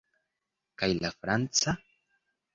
Kaj la franca?